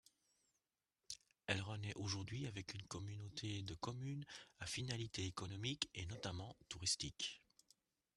Elle renaît aujourd'hui avec une communauté de communes à finalité économique et notamment touristique.